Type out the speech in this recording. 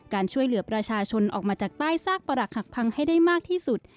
การช่วยเหลือประชาชนออกมาจากใต้ซากประหลักหักพังให้ได้มากที่สุด